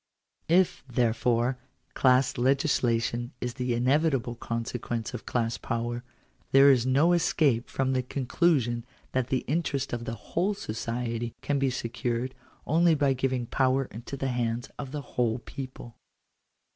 If, therefore, class legislation is the inevitable consequence of class power, there is no escape from the conclusion that the interest of the whole society can be secured, only by giving power into the hands of the whole people.